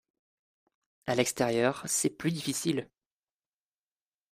À l’extérieur, c’est plus difficile